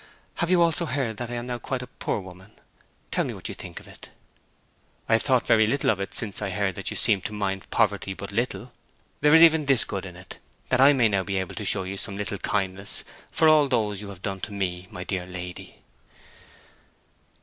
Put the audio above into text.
Have you also heard that I am now quite a poor woman? Tell me what you think of it.' 'I have thought very little of it since I heard that you seemed to mind poverty but little. There is even this good in it, that I may now be able to show you some little kindness for all those you have done me, my dear lady.'